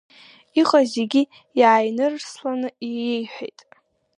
Иҟаз зегьы иааинырсланы иеиҳәеит.